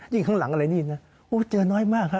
ข้างหลังอะไรนี่นะเจอน้อยมากฮะ